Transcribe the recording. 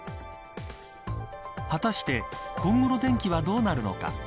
果たして今後の天気はどうなるのか。